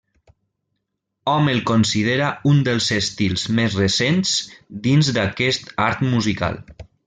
Hom el considera un dels estils més recents dins d'aquest art musical.